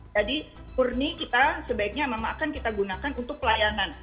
jadi kurni kita sebaiknya memang akan kita gunakan untuk pelayanan